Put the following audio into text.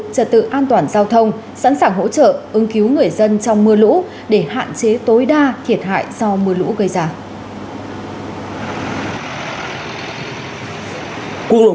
trật tự an toàn giao thông sẵn sàng hỗ trợ ứng cứu người dân trong mưa lũ để hạn chế tối đa thiệt hại do mưa lũ gây ra